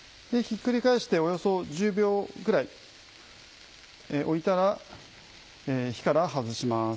ひっくり返しておよそ１０秒ぐらい置いたら火から外します。